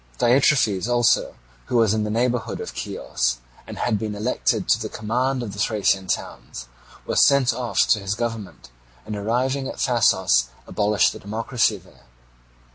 Diitrephes also, who was in the neighbourhood of Chios, and had been elected to the command of the Thracian towns, was sent off to his government, and arriving at Thasos abolished the democracy there.